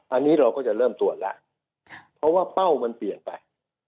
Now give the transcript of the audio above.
อันนี้เราก็จะเริ่มตรวจแล้วเพราะว่าเป้ามันเปลี่ยนไป